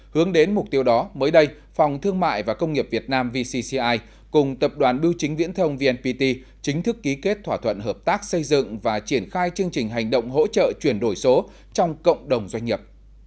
hướng đến mục tiêu đó mới đây phòng thương mại và công nghiệp việt nam vcci cùng tập đoàn bưu chính viễn thông vnpt chính thức ký kết thỏa thuận hợp tác xây dựng và triển khai chương trình hành động hỗ trợ chuyển đổi số trong cộng đồng doanh nghiệp